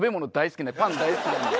パン大好きなんで。